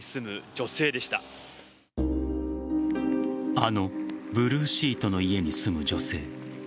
あのブルーシートの家に住む女性。